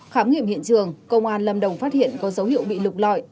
khám nghiệm hiện trường công an lâm đồng phát hiện có dấu hiệu bị lục lọi